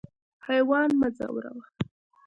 حیوان مه ځوروه.